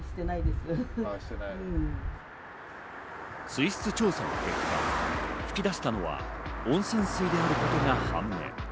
水質調査の結果、噴き出したのは温泉水であることが判明。